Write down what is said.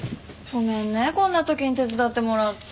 ごめんねこんな時に手伝ってもらって。